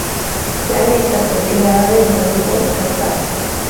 La letra fue creada de nuevo por Casal.